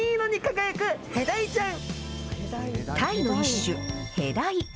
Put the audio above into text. タイの一種、ヘダイ。